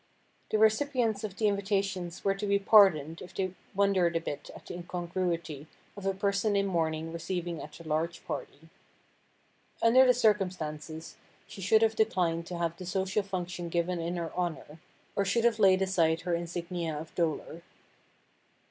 The recipients of the invitations were to be pardoned if they wondered a bit at the incongruity of a person in mourning receiving at a large party. Under the circumstances she should have declined to have the social function given in her honor, or should have laid aside her insignia of dolor.